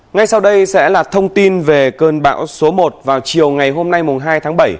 ngay sau đây sẽ là thông tin về cơn bão số một vào chiều ngày hôm nay hai tháng bảy